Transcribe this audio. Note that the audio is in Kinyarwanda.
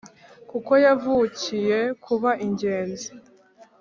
Kuko yavukiye kuba ingenzi